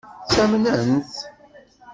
Ttamnen-t?